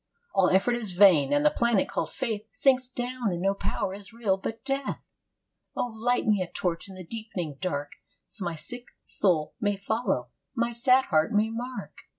"All effort is vain; and the planet called Faith Sinks down; and no power is real but death. "O light me a torch in the deepening dark So my sick soul may follow, my sad heart may mark!"